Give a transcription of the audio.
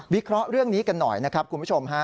เคราะห์เรื่องนี้กันหน่อยนะครับคุณผู้ชมฮะ